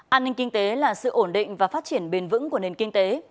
an ninh kinh tế là sự ổn định và phát triển bền vững của nền kinh tế